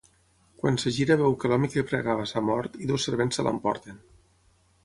Quan es gira veu que l'home que pregava s'ha mort i dos servents se l'emporten.